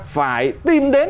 phải tìm đến